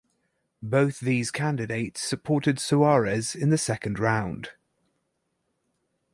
Both these candidates supported Soares in the second round.